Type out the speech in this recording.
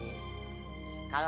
kalau ada perlu apa apa sama rum